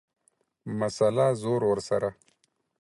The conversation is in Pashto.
مسئله ، زور ورسره.